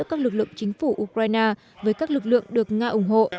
các lực lượng được nga ủng hộ